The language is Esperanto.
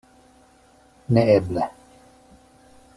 Neeble.